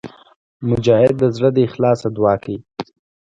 مجاهد د زړه له اخلاصه دعا کوي.